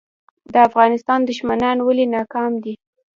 د افغانستان دښمنان ولې ناکام دي؟